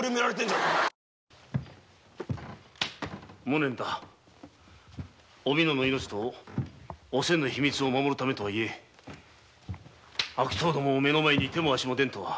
無念だおみのの命とおせんの秘密を守るためとはいえ悪党どもを目の前に手も足も出んとは。